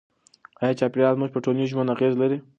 آیا چاپیریال زموږ په ټولنیز ژوند اغېز لري؟